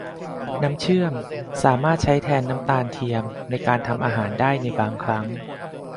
น้ำเชื่อมสามารถใช้แทนน้ำตาลเทียมในการทำอาหารได้ในบางครั้ง